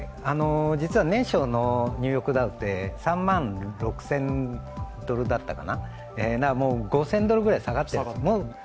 実は年初のニューヨークダウって３万６０００ドルだったかな、５０００ドルぐらい下がっているんです。